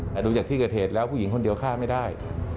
แต่ต่อจากที่กระเทศแล้วพวกหญิงคนเดียวฆ่าไม่ได้